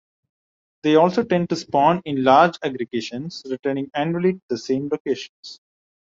They also tend to spawn in large aggregations, returning annually to the same locations.